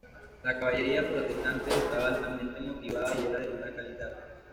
La caballería protestante estaba altamente motivada y era de buena calidad.